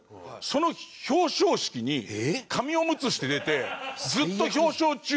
その表彰式に紙おむつして出てずっと表彰中